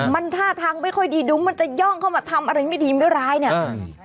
มันท่าทางไม่ค่อยดีดูมันจะย่องเข้ามาทำอะไรไม่ดีไม่ร้ายเนี่ยอืม